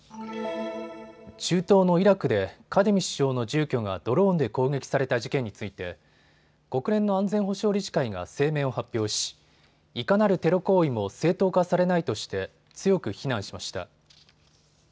中東のイラクでカディミ首相の住居がドローンで攻撃された事件について国連の安全保障理事会が声明を発表しいかなるテロ行為も正当化されないとして強く非難しました。